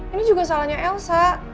ini juga salahnya elsa